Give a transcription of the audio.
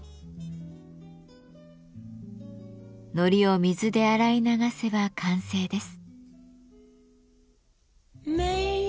糊を水で洗い流せば完成です。